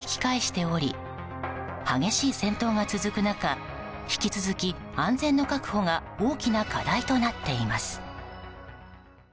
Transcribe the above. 安全上の理由で引き返しており激しい戦闘が続く中引き続き、安全の確保が大きな課題となっています。